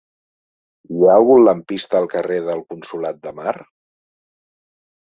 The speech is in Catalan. Hi ha algun lampista al carrer del Consolat de Mar?